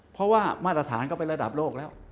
เพราะว่ามาตรฐานก็เป็นระดับโลกแล้ว